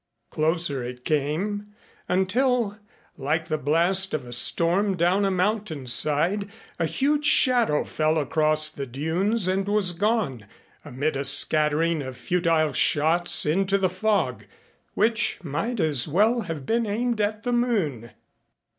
Closer it came, until like the blast of a storm down a mountainside, a huge shadow fell across the dunes and was gone amid a scattering of futile shots into the fog which might as well have been aimed at the moon.